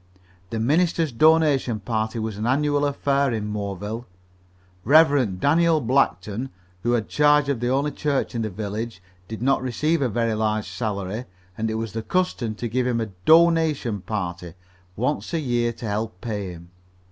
The minister's donation party was an annual affair in Moreville. Rev. Daniel Blackton, who had charge of the only church in the village, did not receive a very large salary, and it was the custom to give him a "donation party" once a year to help pay him.